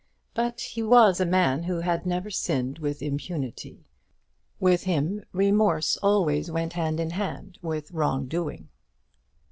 But he was a man who had never sinned with impunity. With him remorse always went hand in hand with wrong doing.